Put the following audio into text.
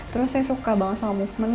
terus saya suka banget sama movement